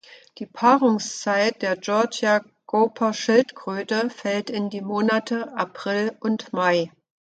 Die Paarungszeit der Georgia-Gopherschildkröte fällt in die Monate April und Mai.